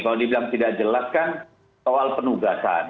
kalau dibilang tidak jelas kan soal penugasan